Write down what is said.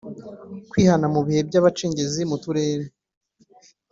kwihana Mu bihe by abacengezi mu Turere